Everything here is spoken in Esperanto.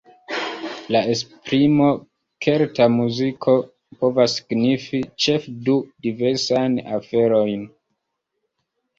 La esprimo "Kelta muziko" povas signifi ĉefe du diversajn aferojn.